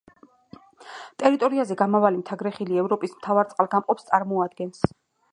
ტერიტორიაზე გამავალი მთაგრეხილი ევროპის მთავარ წყალგამყოფს წარმოადგენს.